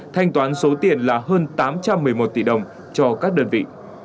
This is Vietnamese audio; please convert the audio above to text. thanh toán số tiền là hơn tám trăm một mươi một tỷ đồng cho các đơn vị